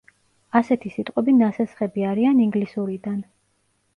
ასეთი სიტყვები ნასესხები არიან ინგლისურიდან.